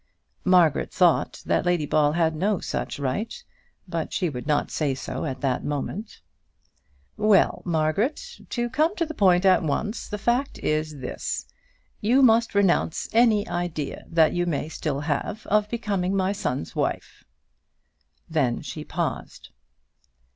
Margaret thought that Lady Ball had no such right, but she would not say so at that moment. "Well, Margaret, to come to the point at once, the fact is this. You must renounce any idea that you may still have of becoming my son's wife." Then she paused.